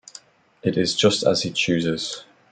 It is just as he chooses.